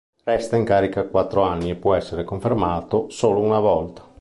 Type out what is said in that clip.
Resta in carica quattro anni e può essere confermato solo una volta.